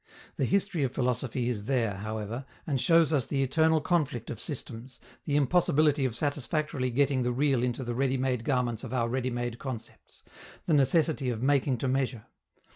The history of philosophy is there, however, and shows us the eternal conflict of systems, the impossibility of satisfactorily getting the real into the ready made garments of our ready made concepts, the necessity of making to measure.